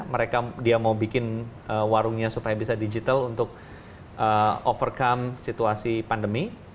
mereka dia mau bikin warungnya supaya bisa digital untuk overcome situasi pandemi